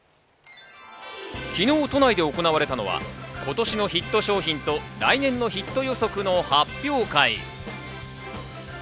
昨日、都内で行われたのは今年のヒット商品と来年のヒット予測の発表会。